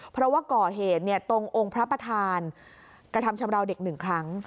เพราะว่าก่อเหตุตรงองค์พระประธานกระทำชำราวเด็กหนึ่งครั้ง